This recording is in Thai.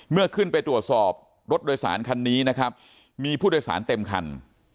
เมื่อขึ้นไปตรวจสอบรถโดยสารคันนี้นะครับมีผู้โดยสารเต็มคัน